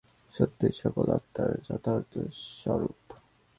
সত্যই সকল আত্মার যথার্থ স্বরূপ।